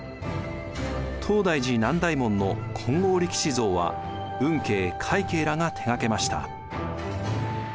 東大寺南大門の金剛力士像は運慶快慶らが手がけました。